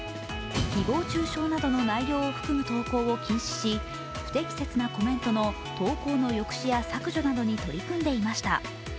誹謗中傷などの内容を含む投稿を禁止し、不適切なコメントの投稿の抑止や削除などに取り組んでいました。